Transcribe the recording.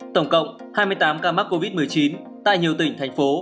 tổng cộng hai mươi tám ca mắc covid một mươi chín tại nhiều tỉnh thành phố